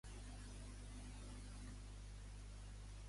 Red Helleborine és una planta molt rara a la Gran Bretanya.